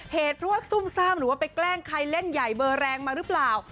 เหตุเพราะว่าซุ่มซ่ามหรือว่าไปแกล้งใครเล่นใหญ่เบอร์แรงมาหรือเปล่า